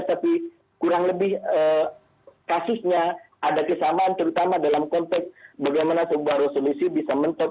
tapi kurang lebih kasusnya ada kesamaan terutama dalam konteks bagaimana sebuah resolusi bisa mentok